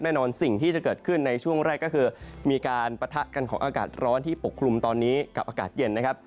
สิ่งที่จะเกิดขึ้นในช่วงแรกก็คือมีการปะทะกันของอากาศร้อนที่ปกคลุมตอนนี้กับอากาศเย็นนะครับ